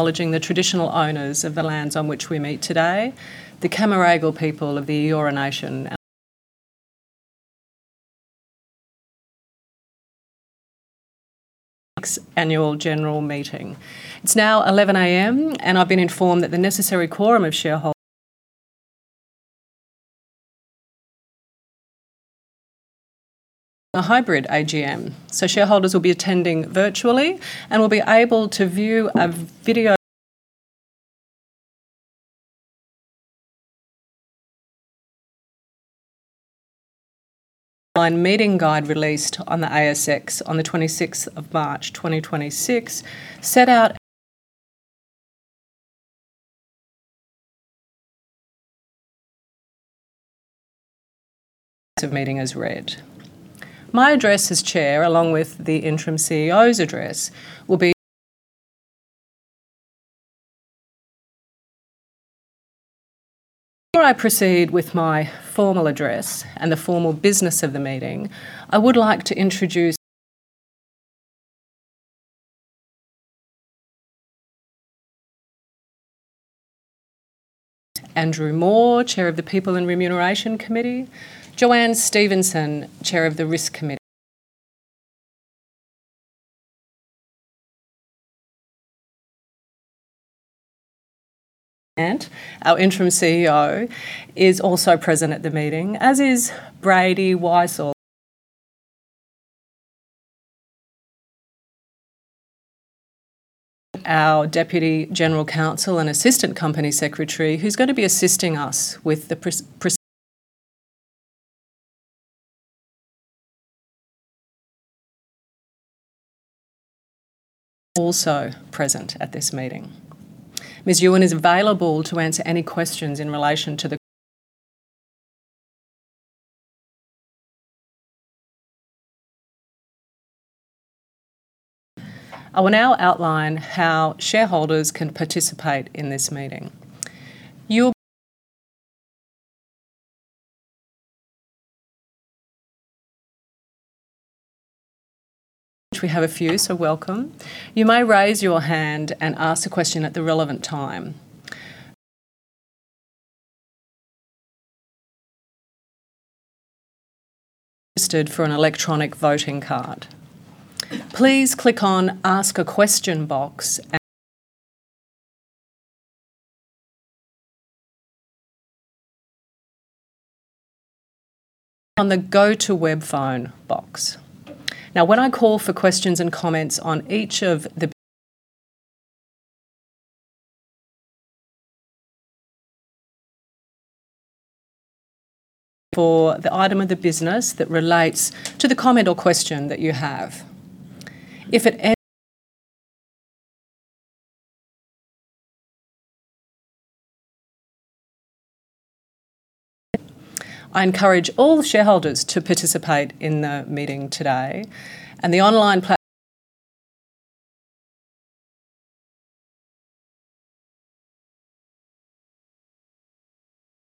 Acknowledging the traditional owners of the lands on which we meet today, the Cammeraygal people of the Eora Nation. Annual general meeting. It's now 11:00A.M. I've been informed that the necessary quorum of shareholders- a hybrid AGM, so shareholders will be attending virtually and will be able to view an online meeting guide released on the ASX on the 26th of March, 2026, set out- of meeting as read. Before I proceed with my formal address and the formal business of the meeting, I would like to introduce Andrew Moore, Chair of the People and Remuneration Committee. JoAnne Stephenson, Chair of the Risk Committee. Our interim CEO is also present at the meeting, as is Brady Weissel, our Deputy General Counsel and Assistant Company Secretary, who's gonna be assisting us with the proceedings. Ms. Ewan is available to answer any questions in relation to the audit. I will now outline how shareholders can participate in this meeting, which we have a few, so welcome. You may raise your hand and ask a question at the relevant time. Registered for an electronic voting card. Please click on Ask a Question box and on the Go to Webphone box. When I call for questions and comments on each of the item of the business that relates to the comment or question that you have. If at any time, I encourage all shareholders to participate in the meeting today, and the online platform,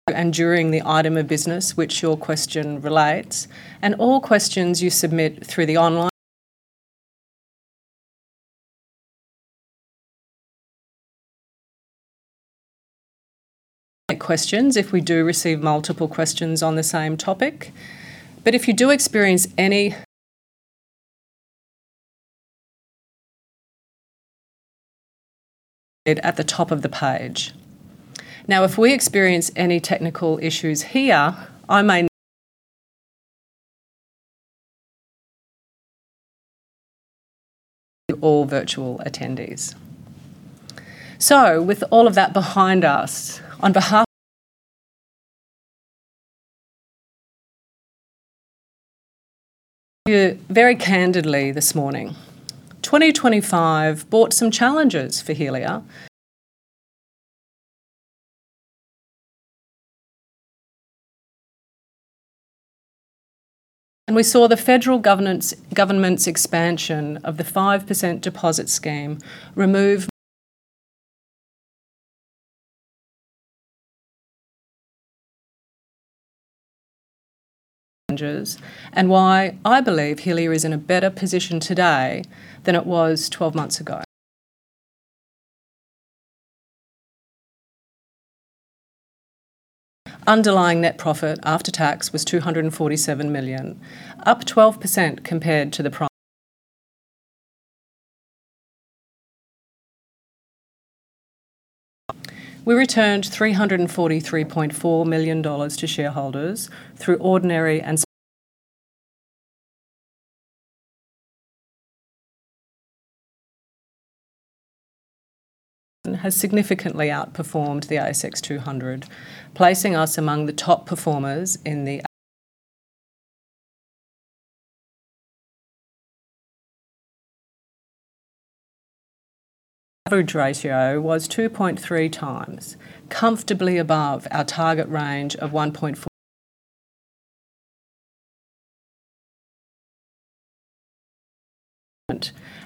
and during the item of business which your question relates. All questions you submit through the online questions if we do receive multiple questions on the same topic. If you do experience any at the top of the page. If we experience any technical issues here, I may to all virtual attendees. With all of that behind us, on behalf you very candidly this morning. 2025 brought some challenges for Helia. We saw the federal government's expansion of the 5% Deposit Scheme challenges and why I believe Helia is in a better position today than it was 12 months ago. Underlying net profit after tax was 247 million, up 12% compared to the. We returned 343.4 million dollars to shareholders through ordinary and. Has significantly outperformed the ASX 200, placing us among the top performers in the. Average ratio was 2.3x, comfortably above our target range of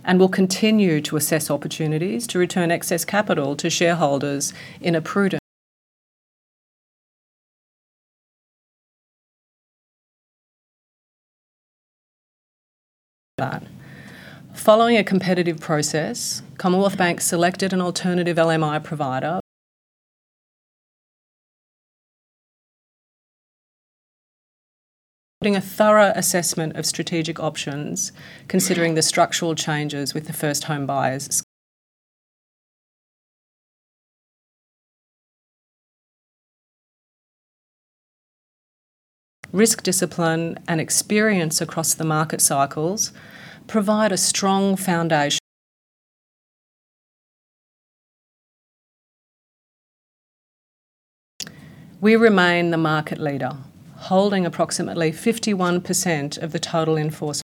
1.4x. Will continue to assess opportunities to return excess capital to shareholders in a prudent. Following a competitive process, Commonwealth Bank selected an alternative LMI provider. Including a thorough assessment of strategic options, considering the structural changes with the First Home Buyers Scheme. Risk discipline and experience across the market cycles provide a strong foundation. We remain the market leader, holding approximately 51% of the total in-force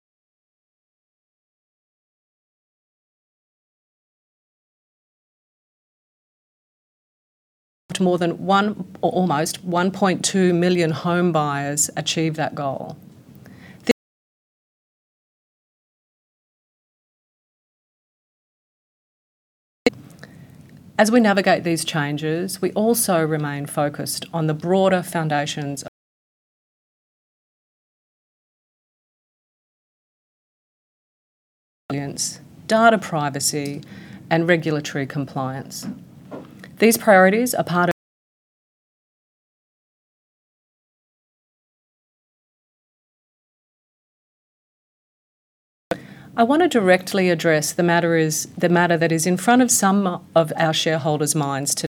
portfolio. Helped more than 1.2 million home buyers achieve that goal. As we navigate these changes, we also remain focused on the broader foundations of resilience, data privacy, and regulatory compliance. These priorities are part of. I want to directly address the matter that is in front of some of our shareholders' minds.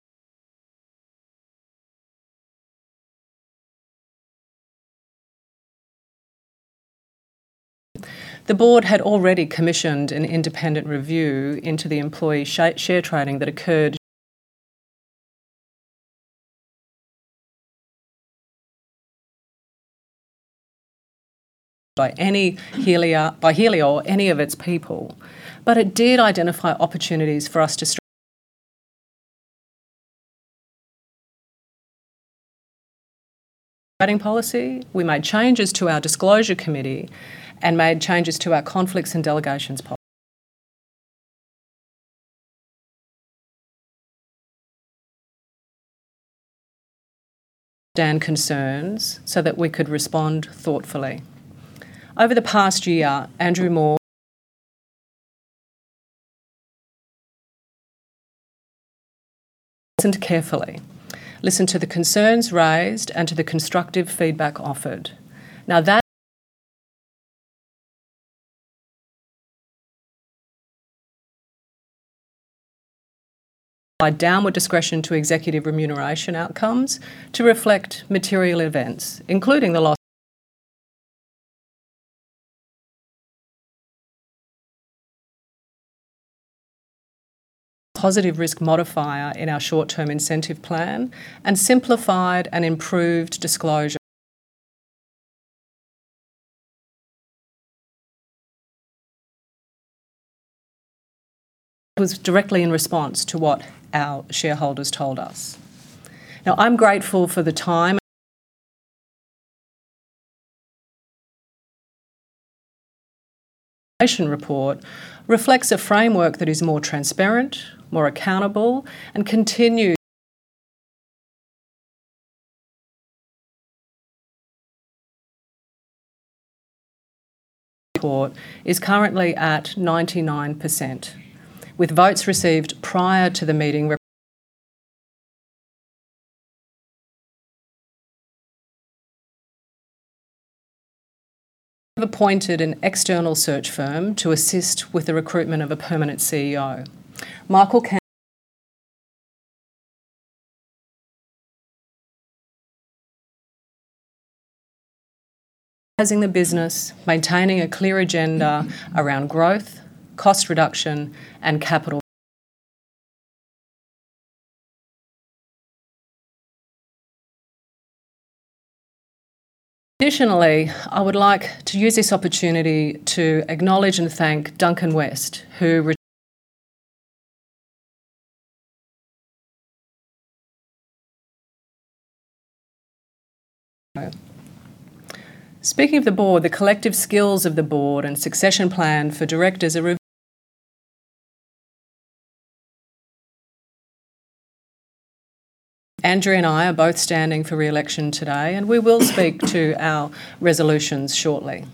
The Board had already commissioned an independent review into the employee share trading that occurred by Helia or any of its people. It did identify opportunities for us to trading policy. We made changes to our disclosure committee and made changes to our conflicts and delegations understand concerns so that we could respond thoughtfully. Over the past year, listened carefully. Listened to the concerns raised and to the constructive feedback offered. applied downward discretion to executive remuneration outcomes to reflect material events, including a positive risk modifier in our short-term incentive plan, and simplified and improved disclosure. That was directly in response to what our shareholders told us. Now, I'm grateful for the remuneration report reflects a framework that is more transparent, more accountable, and continues. support is currently at 99%, with votes received prior to the meeting. We've appointed an external search firm to assist with the recruitment of a permanent CEO. Sizing the business, maintaining a clear agenda around growth, cost reduction, and capital. Additionally, I would like to use this opportunity to acknowledge and thank Duncan West. Speaking of the Board, the collective skills of the Board and succession plan for directors are. Andrew and I are both standing for re-election today, and we will speak to our resolutions shortly.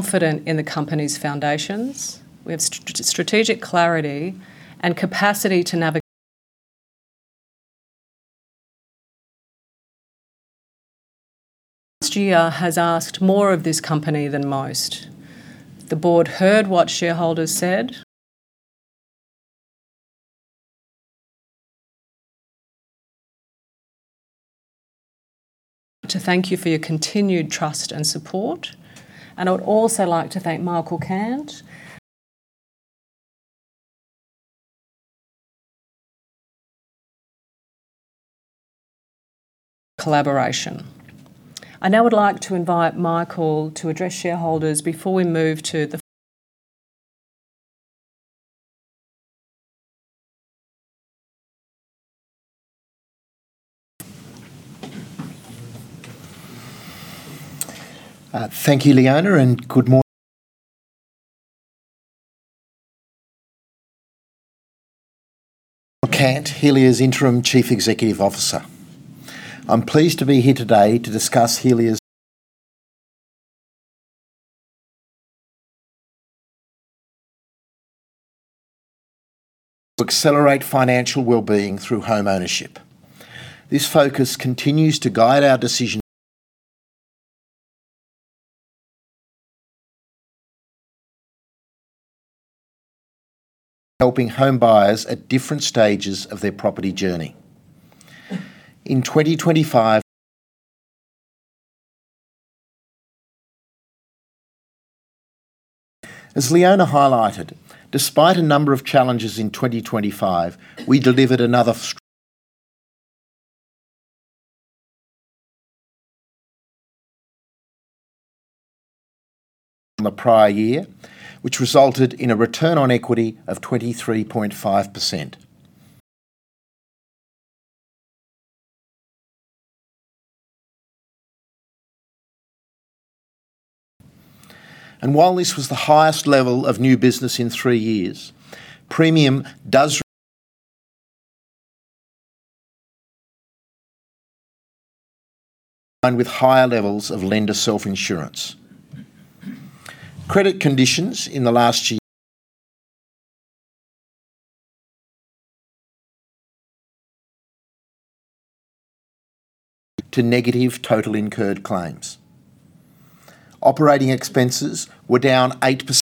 Confident in the company's foundations. We have strategic clarity and capacity to. This year has asked more of this company than most. The Board heard what shareholders said. I want to thank you for your continued trust and support, and I would also like to thank Michael Cant for collaboration. I now would like to invite Michael to address shareholders before we move to the. Thank you, Leona, and good morn- Cant, Helia's Interim Chief Executive Officer. I'm pleased to be here today to discuss Helia's Accelerate Financial Wellbeing Through Home Ownership. This focus continues to guide our decision helping home buyers at different stages of their property journey. In 2025, as Leona highlighted, despite a number of challenges in 2025, we delivered another strong result from the prior year, which resulted in a return on equity of 23.5%. While this was the highest level of new business in three years, premium does remain with higher levels of lender self-insurance. Credit conditions in the last year to negative total incurred claims. Operating expenses were down 8%.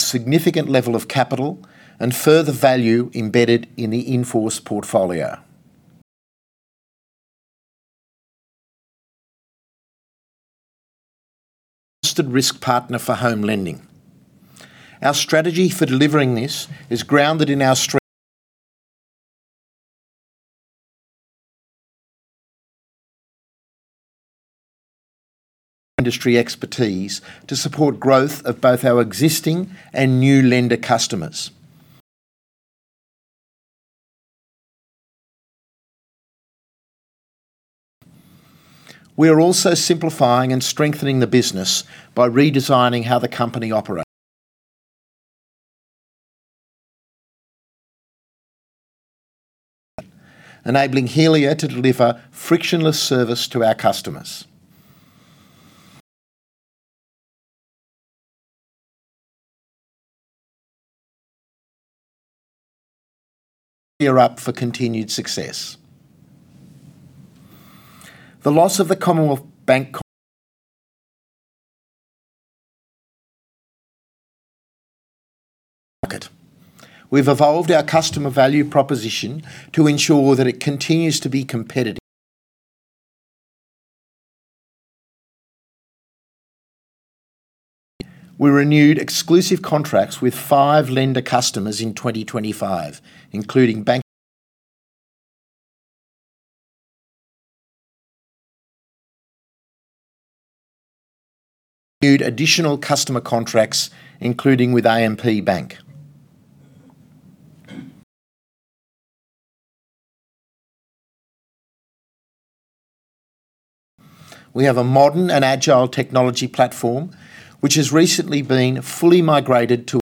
Significant level of capital and further value embedded in the in-force portfolio. Trusted risk partner for home lending. Our strategy for delivering this is grounded in our strong industry expertise to support growth of both our existing and new lender customers. We are also simplifying and strengthening the business by redesigning how the company operates, enabling Helia to deliver frictionless service to our customers. Gear up for continued success. The loss of the Commonwealth Bank contract. We've evolved our customer value proposition to ensure that it continues to be competitive. We renewed exclusive contracts with five lender customers in 2025, including Bank. Renewed additional customer contracts, including with AMP Bank. We have a modern and agile technology platform, which has recently been fully migrated to a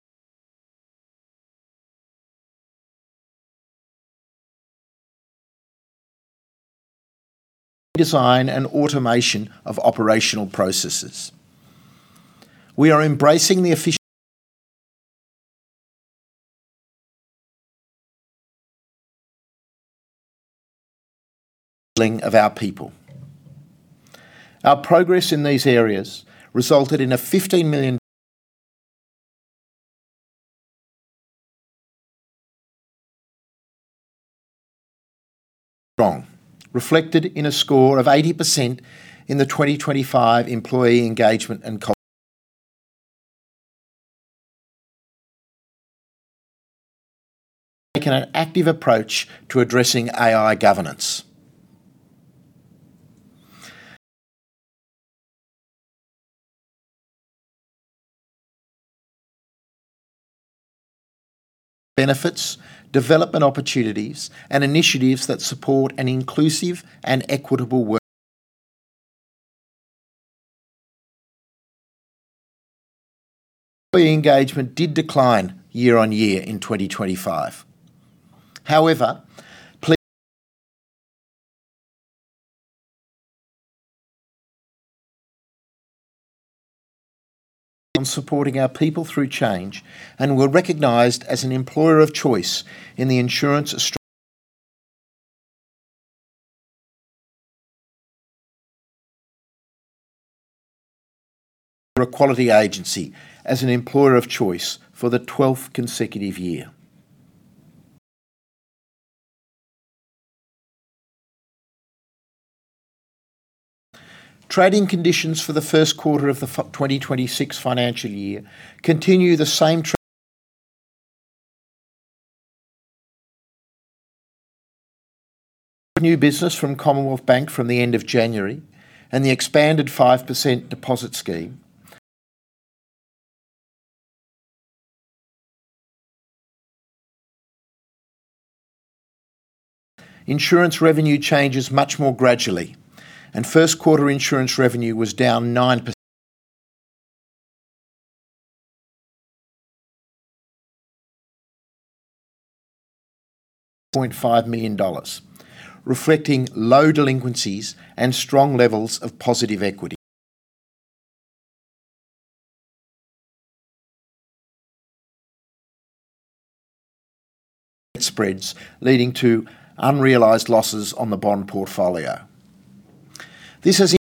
redesign and automation of operational processes. We are embracing the efficiency of our people. Our progress in these areas resulted in a 15 million strong, reflected in a score of 80% in the 2025 employee engagement and taken an active approach to addressing AI governance. Benefits, development opportunities, and initiatives that support an inclusive and equitable work. Employee engagement did decline year-on-year in 2025. However, on supporting our people through change, and we're recognized as an employer of choice in the insurance Workplace Gender Equality Agency as an employer of choice for the 12th consecutive year. Trading conditions for the first quarter of the 2026 financial year continue the same trend. New business from Commonwealth Bank from the end of January and the expanded 5% deposit scheme. Insurance revenue changes much more gradually, and first quarter insurance revenue was down 9.5 million dollars, reflecting low delinquencies and strong levels of positive equity. Spreads leading to unrealized losses on the bond portfolio. This has yield on our portfolio. The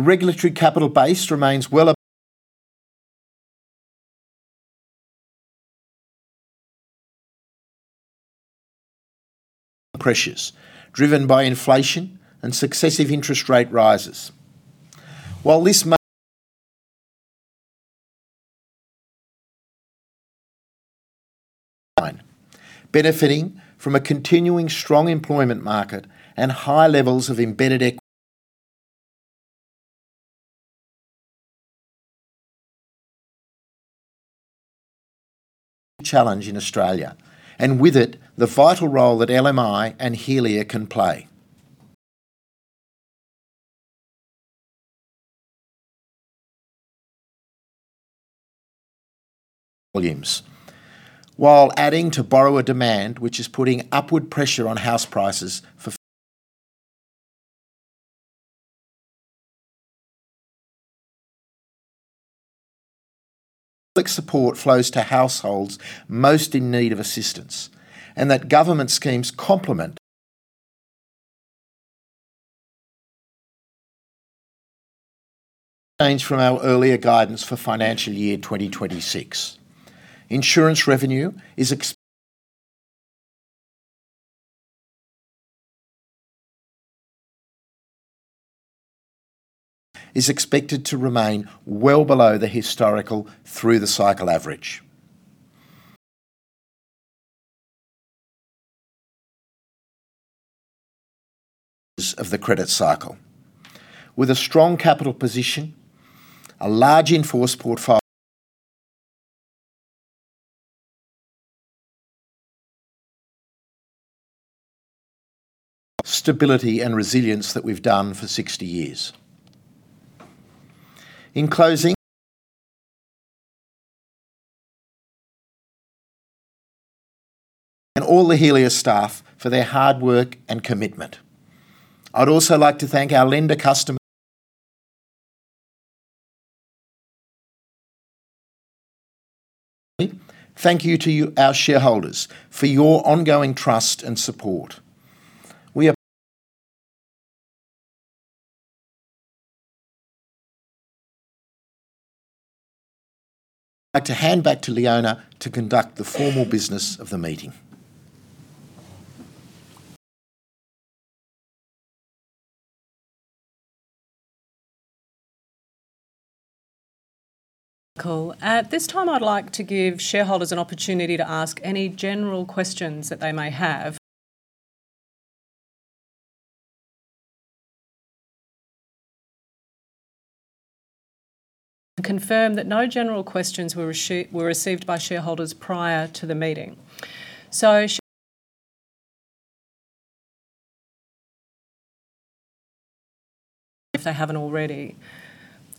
regulatory capital base remains well above pressures driven by inflation and successive interest rate rises. While this line, benefiting from a continuing strong employment market and high levels of embedded challenge in Australia, and with it the vital role that LMI and Helia can play. Volumes, while adding to borrower demand, which is putting upward pressure on house prices public support flows to households most in need of assistance, and that government schemes complement. change from our earlier guidance for financial year 2026. Insurance revenue is expected to remain well below the historical through the cycle average. Of the credit cycle. With a strong capital position, a large in-force stability and resilience that we've done for 60 years. In closing, I'd like to thank all the Helia staff for their hard work and commitment. I'd also like to thank our lender customers. Finally, thank you to our shareholders for your ongoing trust and support. We'd like to hand back to Leona to conduct the formal business of the meeting. Michael. At this time, I'd like to give shareholders an opportunity to ask any general questions that they may have. Confirm that no general questions were received by shareholders prior to the meeting. If they haven't already,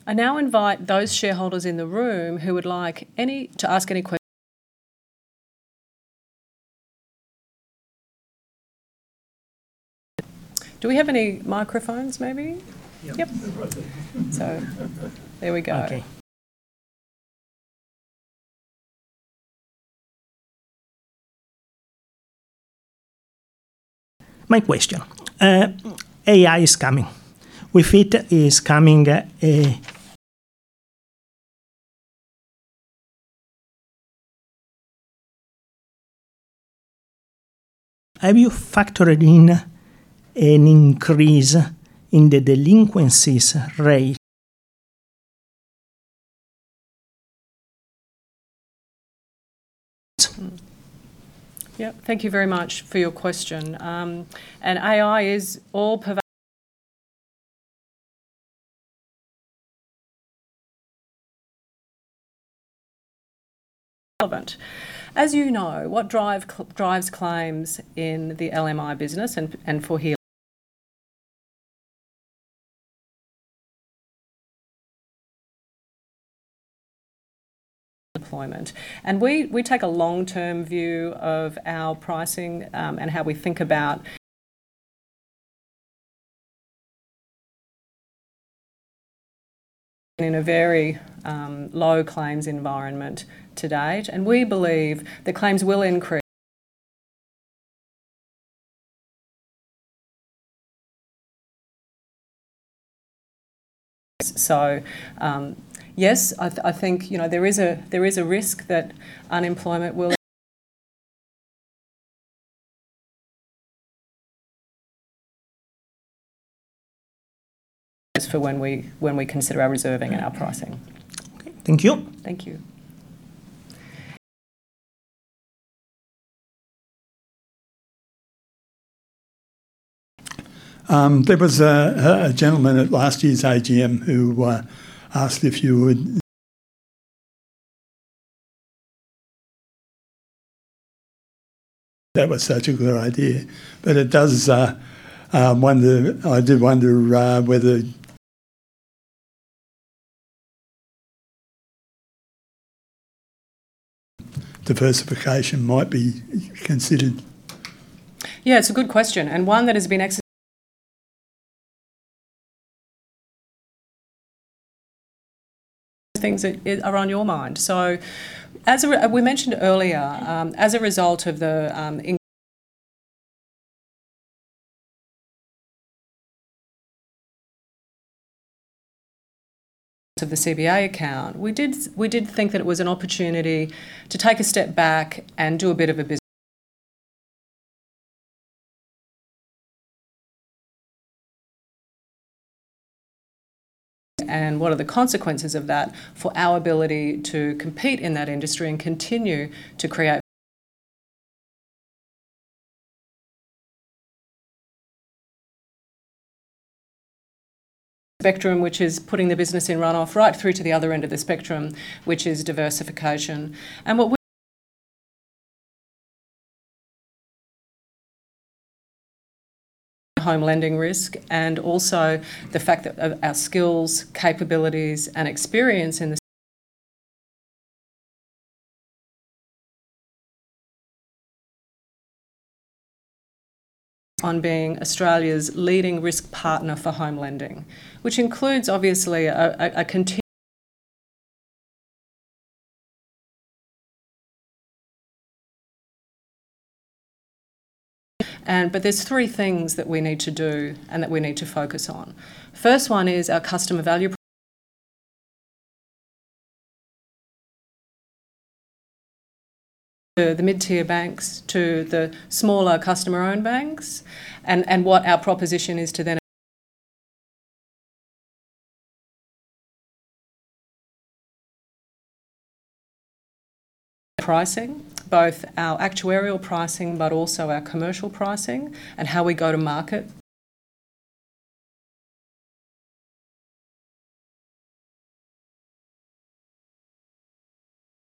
I now invite those shareholders in the room who would like any to ask any questions. Do we have any microphones, maybe? Yeah. Yep. Right there. There we go. Okay. My question. AI is coming. With it is coming, have you factored in an increase in the delinquencies rate? Yes, thank you very much for your question. AI is all relevant. As you know, what drives claims in the LMI business and for Helia default. We take a long-term view of our pricing. We have been in a very low claims environment to date. Yes, I think, you know, there is a risk that unemployment is for when we consider our reserving and our pricing. Okay. Thank you. Thank you. There was a gentleman at last year's AGM who asked. That was such a good idea. I do wonder whether diversification might be considered. Yeah, it's a good question, and one that has been. Those things that are on your mind. As we mentioned earlier, as a result of the of the CBA account, we did think that it was an opportunity to take a step back and do a bit of a. What are the consequences of that for our ability to compete in that industry and continue to. spectrum, which is putting the business in runoff right through to the other end of the spectrum, which is diversification. Home lending risk, and also the fact that our skills, capabilities, and experience on being Australia's leading risk partner for home lending, which includes obviously. There are three things that we need to do and that we need to focus on. First one is our customer value the mid-tier banks to the smaller customer-owned banks, what our proposition is to pricing, both our actuarial pricing but also our commercial pricing and how we go to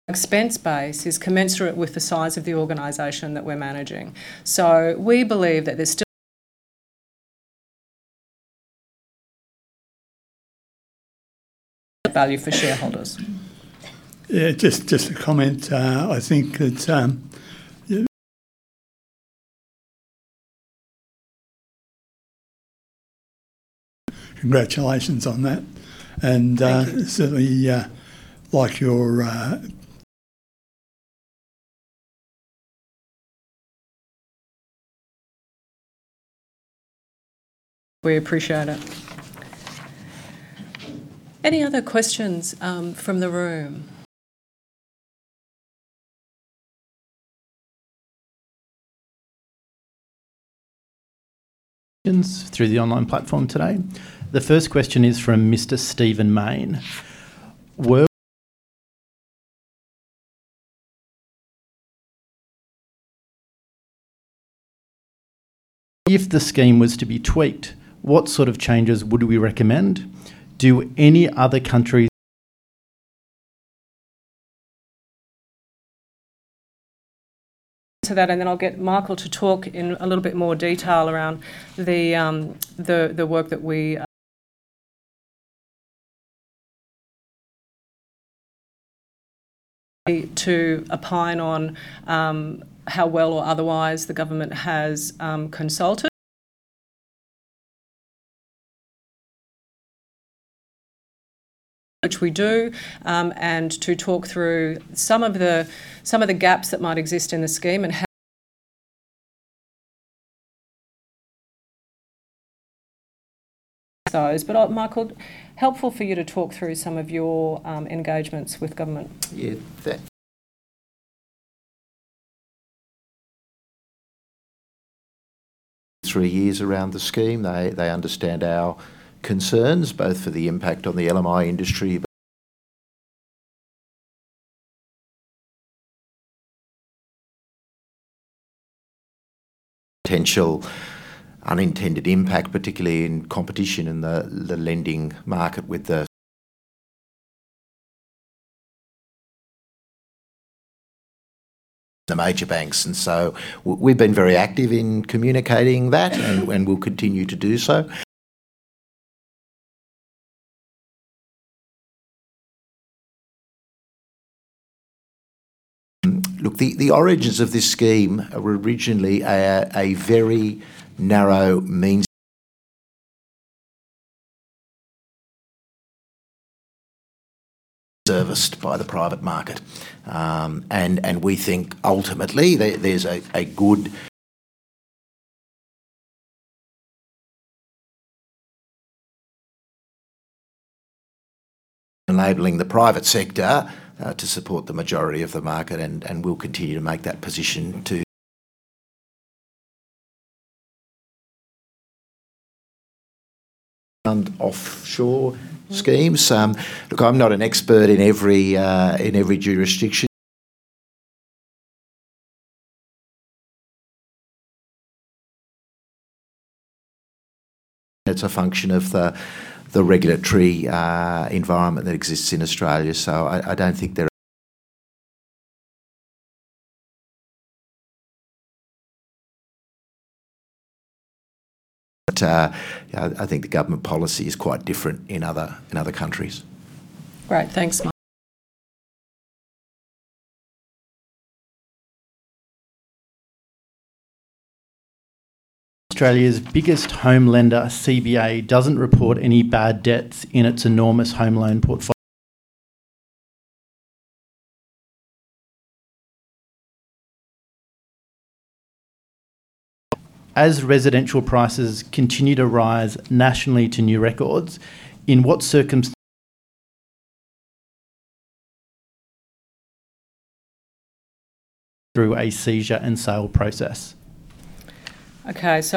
expense base is commensurate with the size of the organization that we're managing. We believe that there's value for shareholders. Yeah, just a comment. I think it's congratulations on that and certainly, like your. We appreciate it. Any other questions from the room? Questions through the online platform today. The first question is from Mr. Stephen Mayne. "If the scheme was to be tweaked, what sort of changes would we recommend? Do any other countries. To that, and then I'll get Michael to talk in a little bit more detail around the work that we to opine on how well or otherwise the government has consulted, which we do, and to talk through some of the gaps that might exist in the scheme. Michael, helpful for you to talk through some of your engagements with government. Yeah. Three years around the scheme. They understand our concerns, both for the impact on the LMI industry potential unintended impact, particularly in competition in the lending market with the major banks. We've been very active in communicating that and will continue to do so. Look, the origins of this scheme were originally a very narrow means serviced by the private market. And we think ultimately there's a good enabling the private sector to support the majority of the market, and we'll continue to make that position. Offshore schemes. Look, I'm not an expert in every jurisdiction. It's a function of the regulatory environment that exists in Australia. I think the government policy is quite different in other countries. Great. Thanks Michael. Australia's biggest home lender, CBA, doesn't report any bad debts in its enormous home loan. As residential prices continue to rise nationally to new records, through a seizure and sale process. Okay. This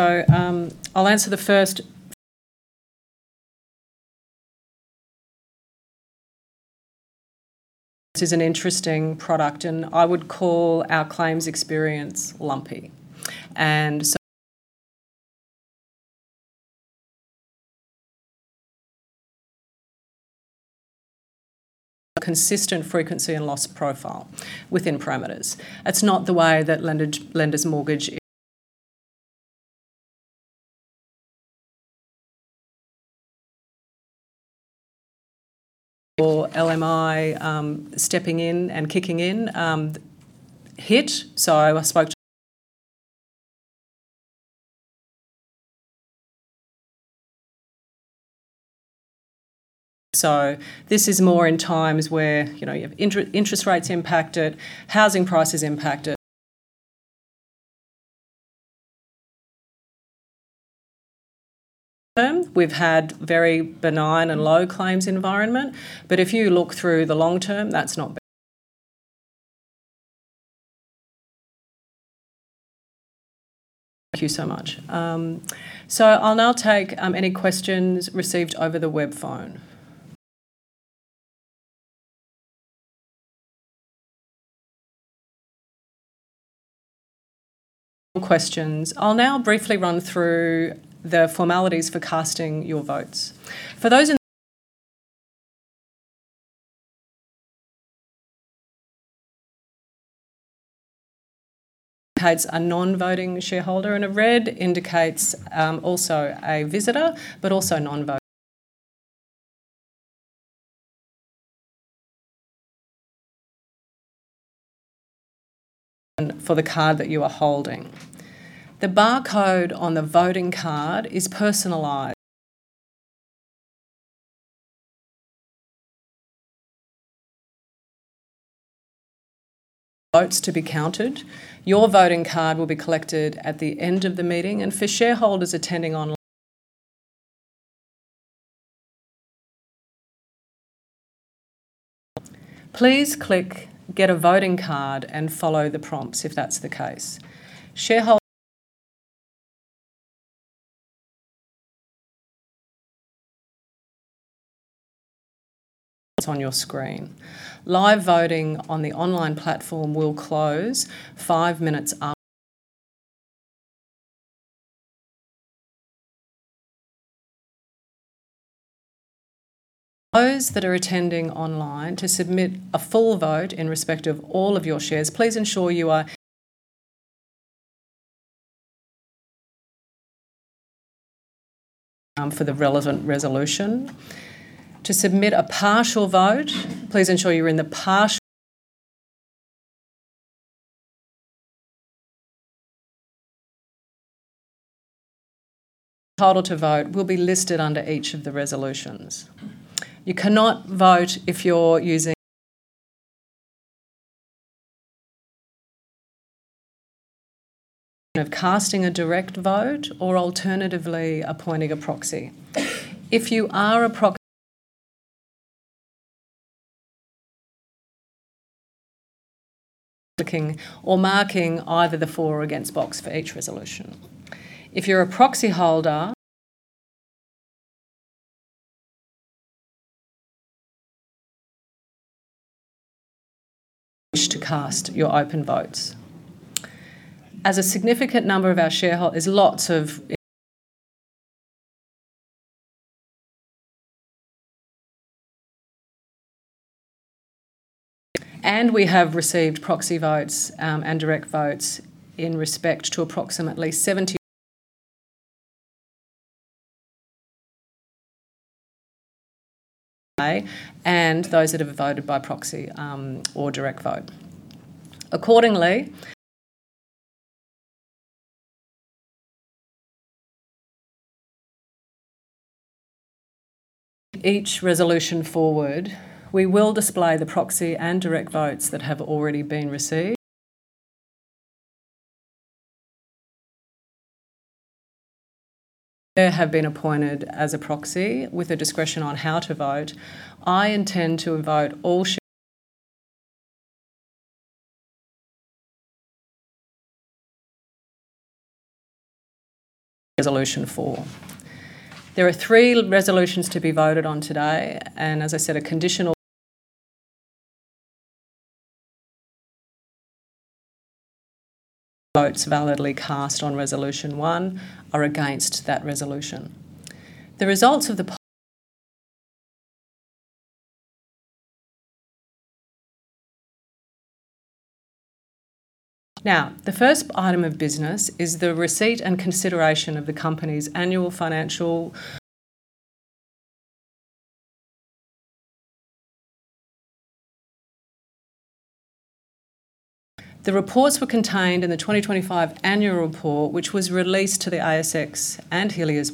is an interesting product, and I would call our claims experience lumpy. A consistent frequency and loss profile within parameters. That's not the way that lenders mortgage- or LMI, stepping in and kicking in, hit. This is more in times where, you have interest rates impacted, housing prices impacted. We've had very benign and low claims environment. If you look through the long term, that's not been. Thank you so much. I'll now take any questions received over the web phone. I'll now briefly run through the formalities for casting your votes. For those indicates a non-voting shareholder, and a red indicates also a visitor, but also non-voting for the card that you are holding. The barcode on the voting card is personalized. Votes to be counted. Your voting card will be collected at the end of the meeting. For shareholders attending Please click Get a Voting Card and follow the prompts if that's the case. On your screen. Live voting on the online platform will close five minutes. Those that are attending online, to submit a full vote in respect of all of your shares, please ensure for the relevant resolution. To submit a partial vote, please ensure you're in the entitled to vote will be listed under each of the resolutions. You cannot vote if you're of casting a direct vote or alternatively appointing a proxy. If you are a ticking or marking either the for or against box for each resolution. If you're a proxy wish to cast your open votes. We have received proxy votes and direct votes in respect to approximately 70 and those that have voted by proxy or direct vote. Accordingly, each resolution forward, we will display the proxy and direct votes that have already been received. I have been appointed as a proxy with the discretion on how to vote. I intend to vote all shares. Resolution 4. There are three resolutions to be voted on today. As I said, votes validly cast on Resolution 1 are against that resolution. The first item of business is the receipt and consideration of the company's annual financial reports. The reports were contained in the 2025 annual report, which was released to the ASX and Helia's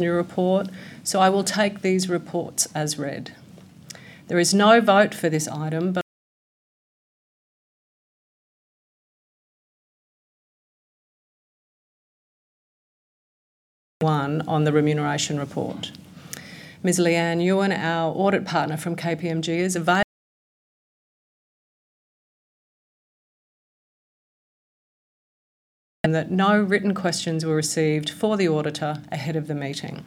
report. I will take these reports as read. There is no vote for this item, but there is one on the remuneration report. Ms. Leanne Ewan, our audit partner from KPMG is available. No written questions were received for the auditor ahead of the meeting.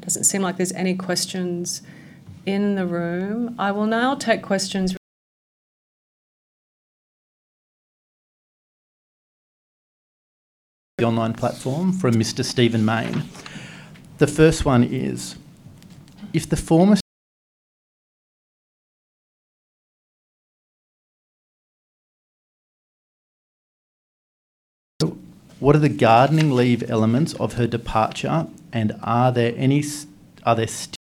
Doesn't seem like there's any questions in the room. I will now take questions. The online platform from Mr. Stephen Mayne. The first one is, what are the gardening leave elements of her departure, and are there any still at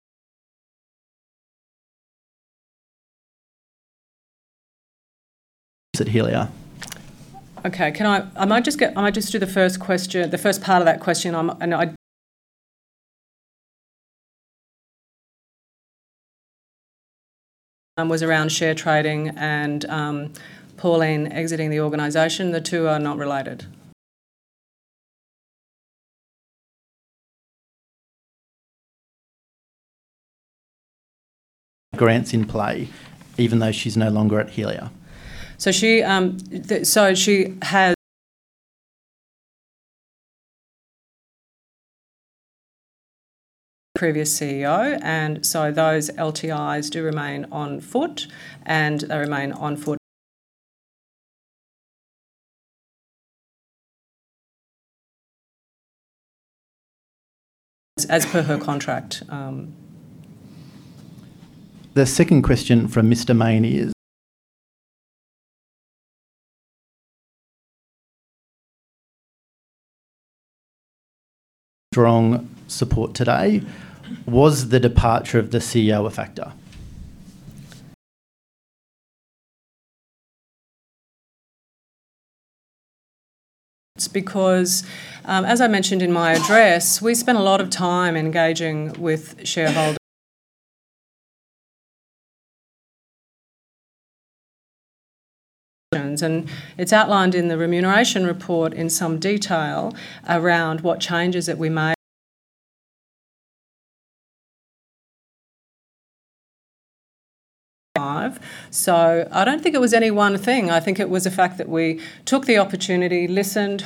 Helia Group? Okay. I might just do the first question, the first part of that question. One was around share trading and Pauline exiting the organization. The two are not related. Grants in play even though she's no longer at Helia's? She has previous CEO, and so those LTIs do remain on foot, and they remain on foot as per her contract. The second question from Mr. Mayne is strong support today. Was the departure of the CEO a factor? It's because, as I mentioned in my address, we spent a lot of time engaging with shareholders. It's outlined in the remuneration report in some detail around what changes that we made. I don't think it was any one thing. I think it was the fact that we took the opportunity, listened,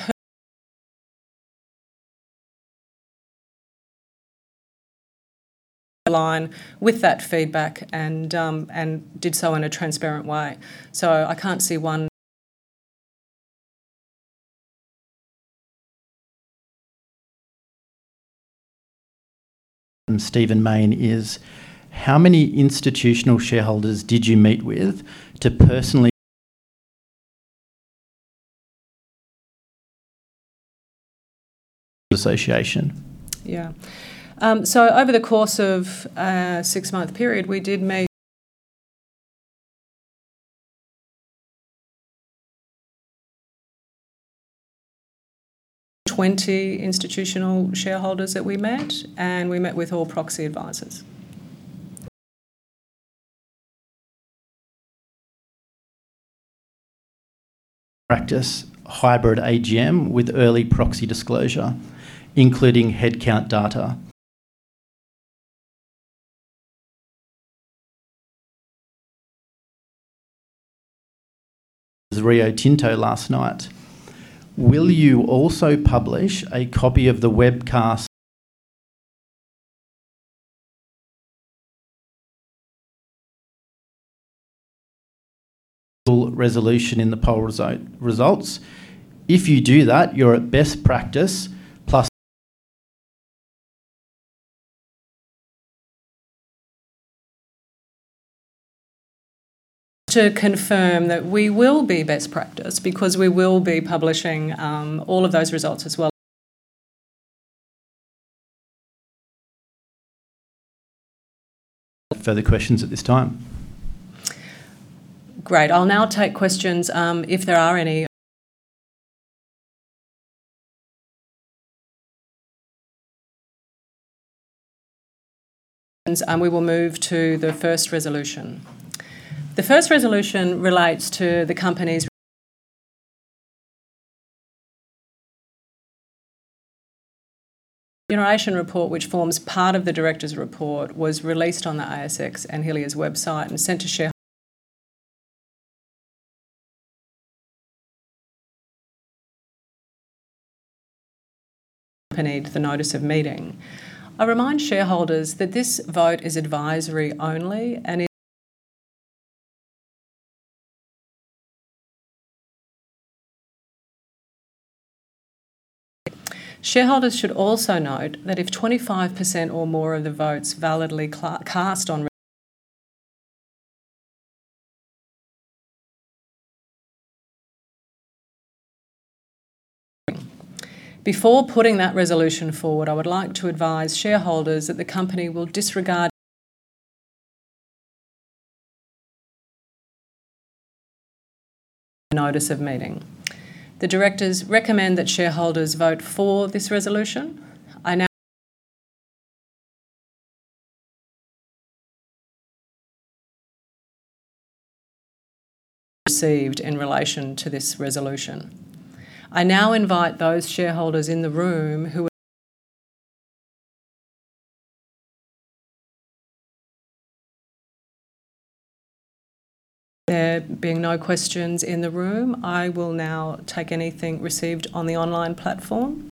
heard, aligned with that feedback and did so in a transparent way. I can't see one. Stephen Mayne is, how many institutional shareholders did you meet with the Australian Shareholders' Association? Yeah. Over the course of a six-month period, we did meet 20 institutional shareholders that we met, and we met with all proxy advisors. practice hybrid AGM with early proxy disclosure, including headcount data. Rio Tinto last night. Will you also publish a copy of the webcast resolution in the poll results? If you do that, you're a best practice plus. To confirm that we will be best practice because we will be publishing all of those results as well. Further questions at this time. Great. I'll now take questions, if there are any. We will move to the first resolution. The first resolution relates to the company's remuneration report, which forms part of the Director's report, was released on the ASX and Helia's website and sent to shareholders and accompanied the notice of meeting. I remind shareholders that this vote is advisory only. Shareholders should also note that if 25% or more of the votes validly cast on resolution. Before putting that resolution forward, I would like to advise shareholders that the company will disregard notice of meeting. The directors recommend that shareholders vote for this resolution. I now received in relation to this resolution. I now invite those shareholders in the room. There being no questions in the room, I will now take anything received on the online platform.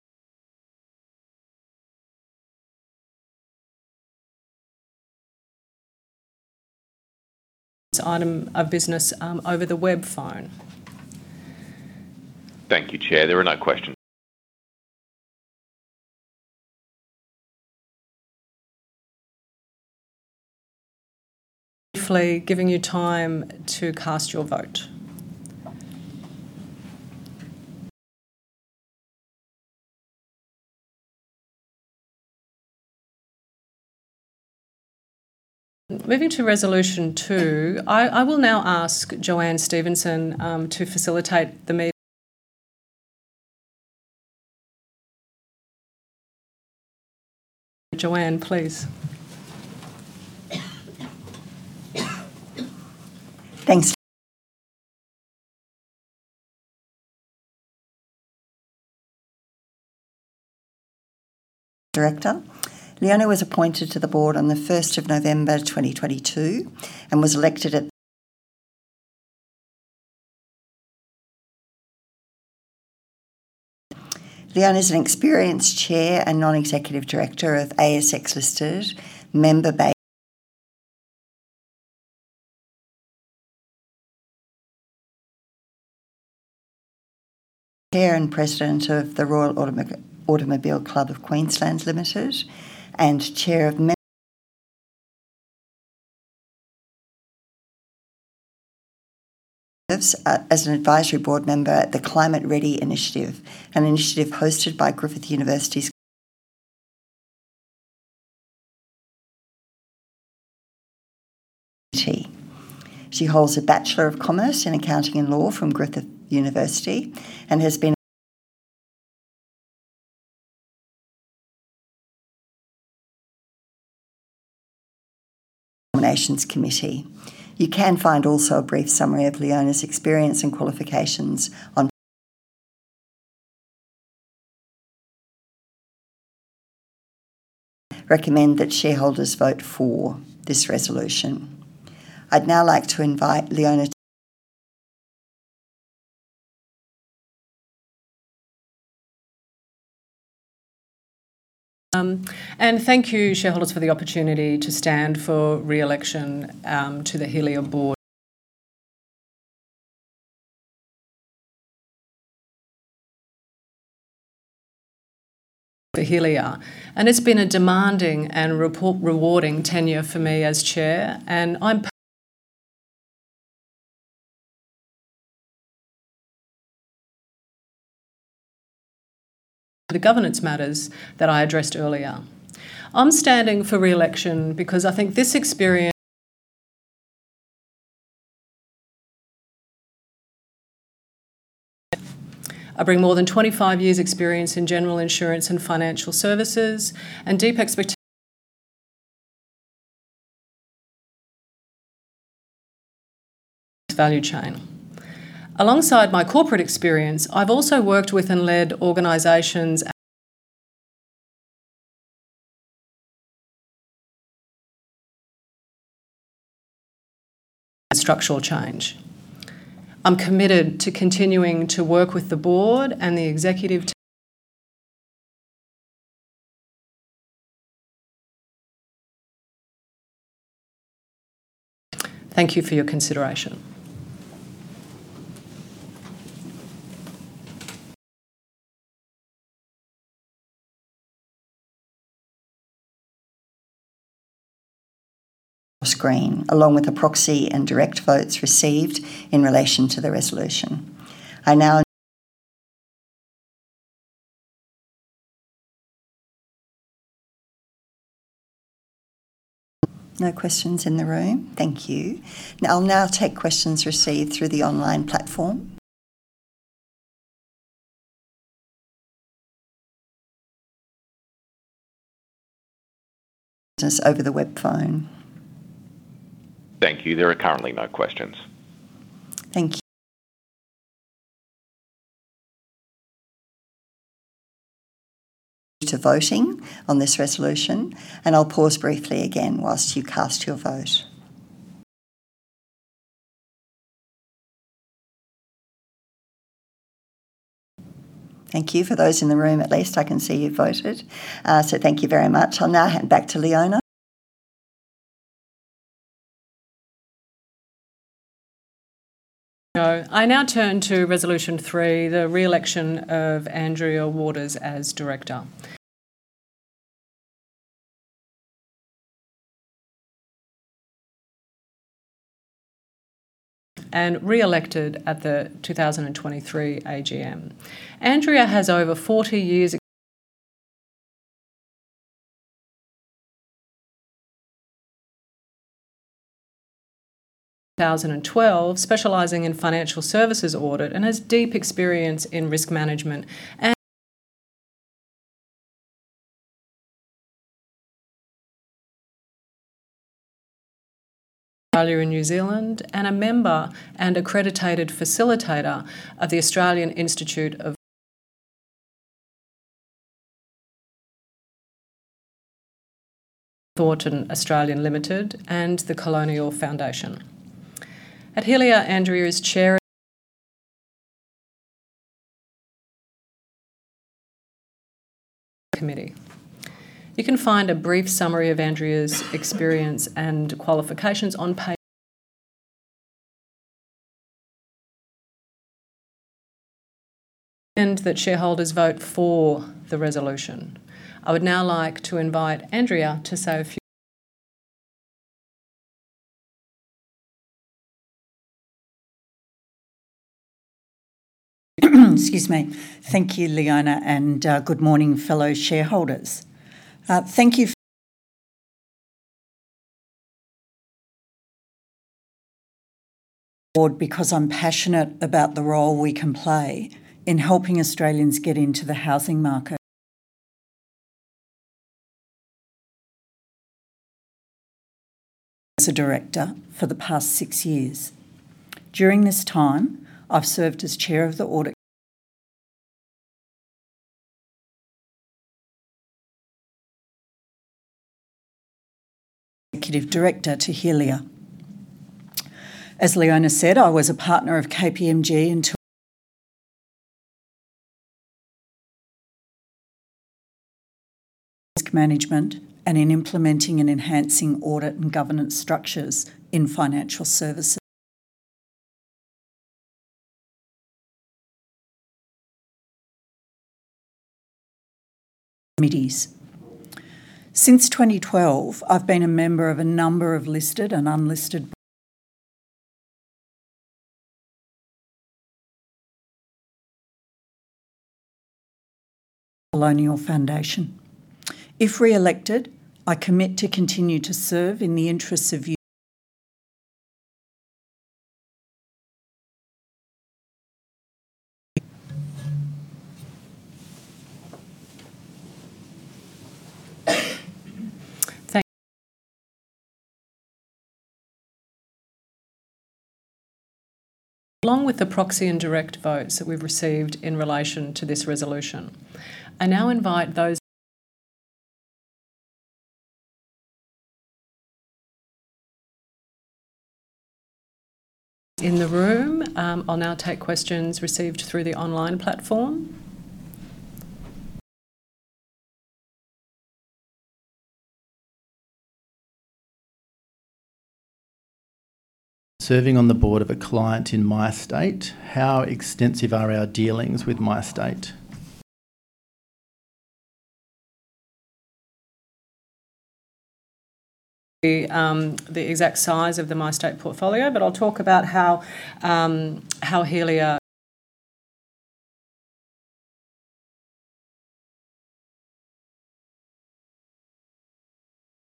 Thank you, Chair. There are no questions. Briefly giving you time to cast your vote. Moving to Resolution 2, I will now ask JoAnne Stephenson to facilitate. JoAnne, please. Thanks, Director. Leona was appointed to the Board on the 1st of November 2022. Leona's an experienced Chair and non-executive Director of ASX listed, Chair and President of the Royal Automobile Club of Queensland Limited, and Chair as an advisory Board member at the Climate Ready Initiative, an initiative hosted by Griffith University. She holds a Bachelor of Commerce in Accounting and Law from Griffith University and has been United Nations Committee. You can find also a brief summary of Leona's experience and qualifications on. Recommend that shareholders vote for this resolution. I'd now like to invite Leona. Thank you, shareholders, for the opportunity to stand for re-election to the Helia Board. For Helia. It's been a demanding and rewarding tenure for me as Chair, and I'm the governance matters that I addressed earlier. I'm standing for re-election because I think this experience I bring more than 25 years experience in general insurance and financial services and deep value chain. Alongside my corporate experience, I've also worked with and led organizations and structural change. I'm committed to continuing to work with the Board and the executive. Thank you for your consideration. Screen, along with the proxy and direct votes received in relation to the resolution. No questions in the room. Thank you. I'll now take questions received through the online platform over the web phone. Thank you. There are currently no questions. Thank you. To voting on this resolution. I'll pause briefly again while you cast your vote. Thank you. For those in the room at least, I can see you voted. Thank you very much. I'll now hand back to Leona. I now turn to Resolution 3, the re-election of Andrea Waters as director, re-elected at the 2023 AGM. Andrea has over 40 years 2012, specializing in financial services audit and has deep experience in risk management and Australia and New Zealand, and a member and accredited facilitator of the Australian Institute of Company Directors, Grant Thornton Australia Limited and The Colonial Foundation. At Helia, Andrea is committee. You can find a brief summary of Andrea's experience and qualifications on page. I recommend that shareholders vote for the resolution. I would now like to invite Andrea to say a few. Excuse me. Thank you, Leona. Good morning fellow shareholders. Thank you Board because I'm passionate about the role we can play in helping Australians get into the housing market. As a Director for the past 6 years. During this time, I've served as Chair of the executive director to Helia. As Leona said, I was a partner of KPMG, risk management and in implementing and enhancing audit and governance structures in committees. Since 2012, I've been a member of a number of listed and Colonial Foundation. If re-elected, I commit to continue to serve in the interests of. Along with the proxy and direct votes that we've received in relation to this resolution, I now invite those- in the room. I'll now take questions received through the online platform. Serving on the Board of a client in MyState, how extensive are our dealings with MyState? The exact size of the MyState portfolio, but I'll talk about how Helia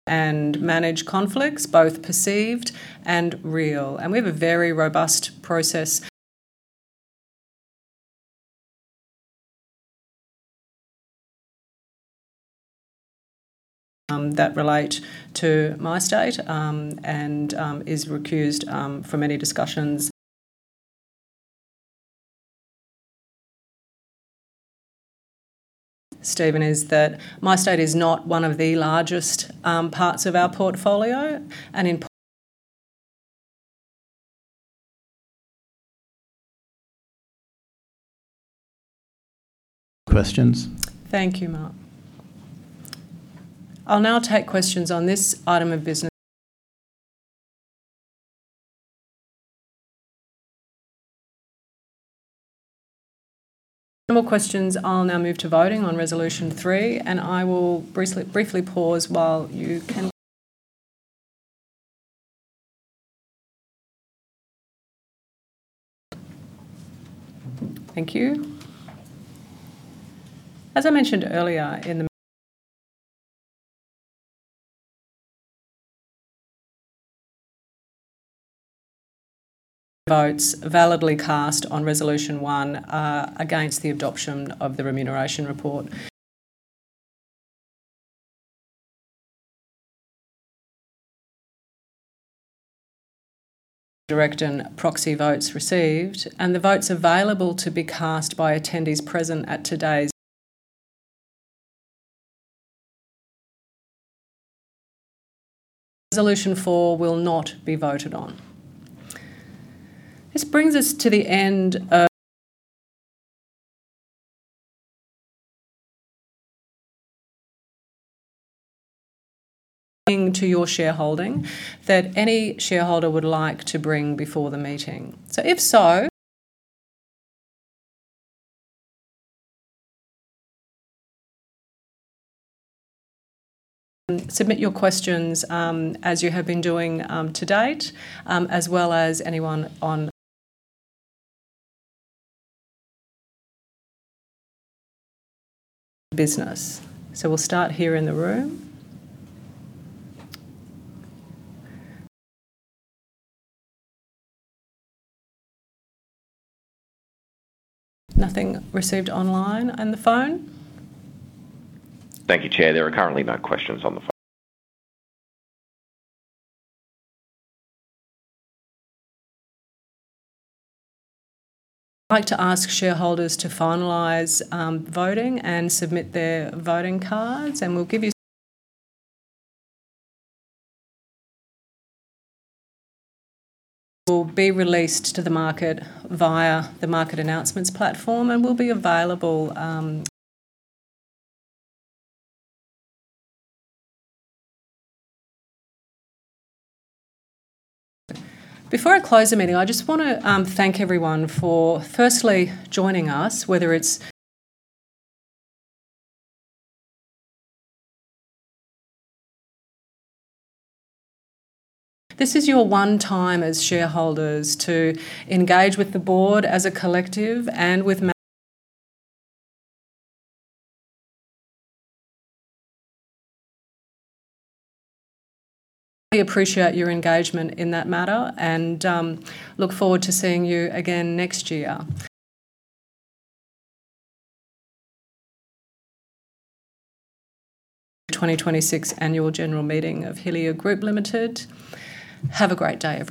and manage conflicts, both perceived and real. We have a very robust process that relate to MyState, and is recused from any discussions. Stephen, is that MyState is not one of the largest parts of our portfolio. Questions. Thank you, Mark. I'll now take questions on this item of business. If there are no more questions, I'll now move to voting on Resolution 3, and I will briefly pause while you can. Thank you. As I mentioned earlier in the votes validly cast on Resolution 1, against the adoption of the remuneration report. Direct and proxy votes received, and the votes available to be cast by attendees present at today's Resolution 4 will not be voted on. This brings us to the end of relating to your shareholding that any shareholder would like to bring before the meeting. If so, you can submit your questions as you have been doing to date, as well as anyone on business. We'll start here in the room. Nothing received online and the phone? Thank you, Chair. There are currently no questions on the phone. I'd like to ask shareholders to finalize voting and submit their voting cards, and we'll give you will be released to the market via the market announcements platform, and will be available. Before I close the meeting, I just wanna thank everyone for firstly joining us. This is your one time as shareholders to engage with the Board as a collective and with We appreciate your engagement in that matter, and look forward to seeing you again next year. 2026 annual general meeting of Helia Group Limited. Have a great day, everyone.